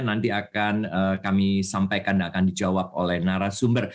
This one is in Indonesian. nanti akan kami sampaikan dan akan dijawab oleh narasumber